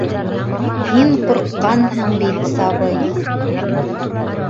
Һин ҡурҡҡанһың бит, сабый...